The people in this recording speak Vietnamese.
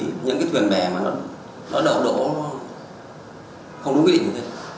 thì những cái thuyền bè mà nó nổ đổ không đúng quy định như thế